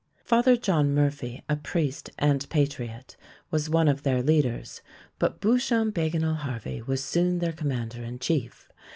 Father John Murphy, a priest and patriot, was one of their leaders, but Beauchamp Bagenal Harvey was soon their commander in chief.